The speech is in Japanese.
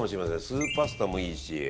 スープパスタもいいし。